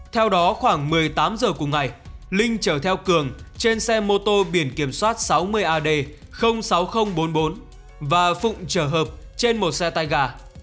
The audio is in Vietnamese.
theo đó khoảng một mươi tám h cùng ngày linh chở theo cường trên xe mô tô biển kiểm soát sáu mươi ad sáu nghìn bốn mươi bốn và phụng trở hợp trên một xe tay gà